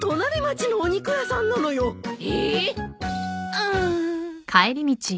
うん。